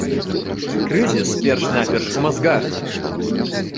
Крызіс перш-наперш у мазгах.